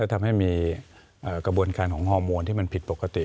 ทำให้มีกระบวนการของฮอร์โมนที่มันผิดปกติ